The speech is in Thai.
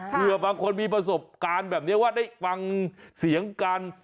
เพื่อบางคนมีประสบการณ์แบบนี้ว่าได้ฟังเสียงกัน